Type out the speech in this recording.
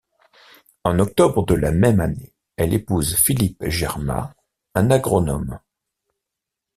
En octobre de la même année, elle épouse Philippe Germa, un agronome.